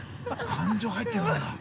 ◆感情入ってるからだ。